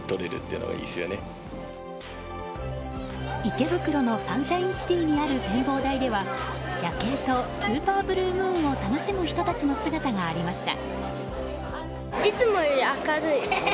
池袋のサンシャインシティにある展望台では夜景とスーパーブルームーンを楽しむ人たちの姿がありました。